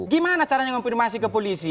gimana caranya konfirmasi ke polisi